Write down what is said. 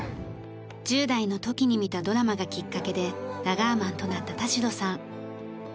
１０代の時に見たドラマがきっかけでラガーマンとなった田代さん。